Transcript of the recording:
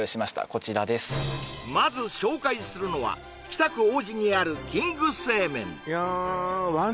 こちらですまず紹介するのは北区王子にあるキング製麺